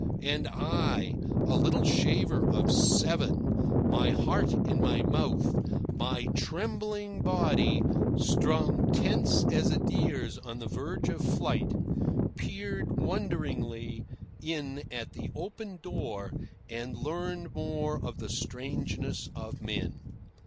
And I, a little shaver of seven, my heart in my mouth, my trembling body strung tense as a deer's on the verge of flight, peered wonderingly in at the open door and learned more of the strangeness of men.